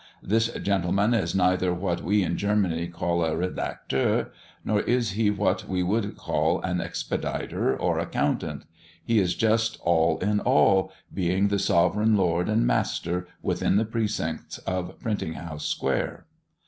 This gentleman is neither what we in Germany call a redacteur, nor is he what we would call an expeditor or accountant. He is just all in all, being the sovereign lord and master within the precincts of Printing house Square.